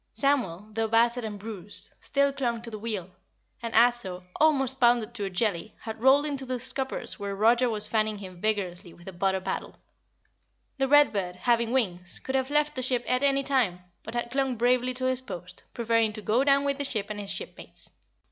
Samuel, though battered and bruised, still clung to the wheel, and Ato, almost pounded to a jelly, had rolled into the scuppers where Roger was fanning him vigorously with a butter paddle. The Read Bird, having wings, could have left the ship at any time, but had clung bravely to his post, preferring to go down with the ship and his shipmates.